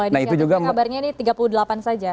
nah itu juga kabarnya ini tiga puluh delapan saja